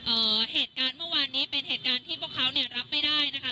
เอ่อเหตุการณ์เมื่อวานนี้เป็นเหตุการณ์ที่พวกเขาเนี่ยรับไม่ได้นะคะ